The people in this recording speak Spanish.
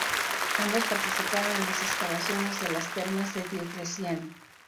Ambos participaron en las excavaciones de las termas de Diocleciano.